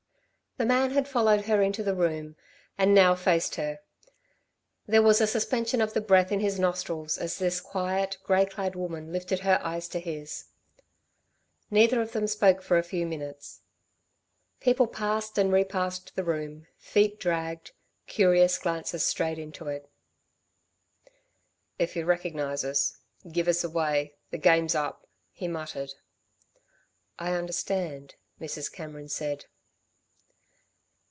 The man had followed her into the room and now faced her. There was a suspension of the breath in his nostrils as this quiet, grey clad woman lifted her eyes to his. Neither of them spoke for a few minutes. People passed and repassed the room, feet dragged, curious glances strayed into it. "If you recognise us give us away the game's up," he muttered. "I understand," Mrs. Cameron said.